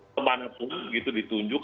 kemanapun gitu ditunjuk